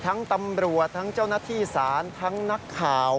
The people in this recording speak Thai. ตำรวจทั้งเจ้าหน้าที่ศาลทั้งนักข่าว